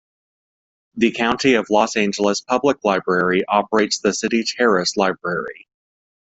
The County of Los Angeles Public Library operates the City Terrace Library.